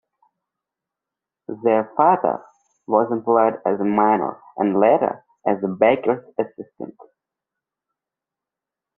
Their father was employed as a miner and later as a baker's assistant.